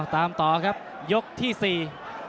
ตามต่อครับยกที่สี่